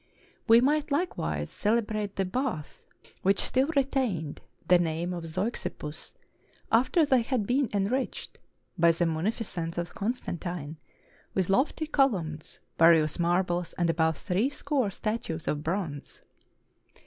We might likewise celebrate the baths, which still retained the name of Zeuxippus, after they had been enriched, by the munificence of Constantine, with lofty columns, various marbles, and above three score statues of bronze.